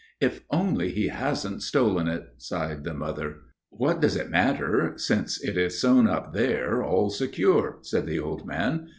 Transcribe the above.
"If only he hasn't stolen it," sighed the mother. "What does it matter, since it is sewn up there all secure?" said the old man.